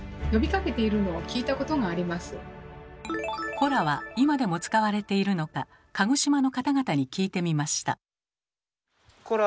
「コラ」は今でも使われているのか鹿児島の方々に聞いてみました。